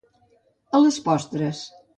A les postres.